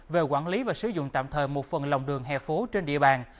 về quản lý và sử dụng tạm thời một phần lòng đường hè phố trên địa bàn